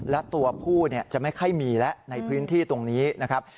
และตัวผู้จะไม่ค่อยมีแล้วในพื้นที่ตรงนี้นะครับ